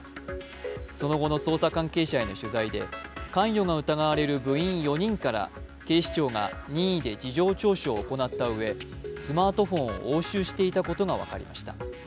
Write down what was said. その後の捜査関係者への取材で関与が疑われる部員４人から警視庁が任意で事情聴取を行ったうえスマートフォンを押収していたことが分かりました。